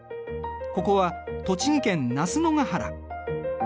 ここは栃木県那須野が原。